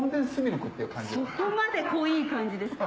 そこまで濃い感じですか？